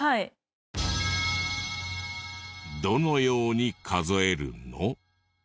どのように数えるの？